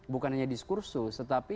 bukan hanya diskursus tetapi